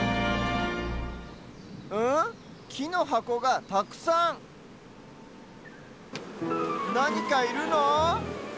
きのはこがたくさんなにかいるの？